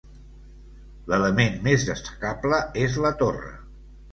L'element més destacable és la torre.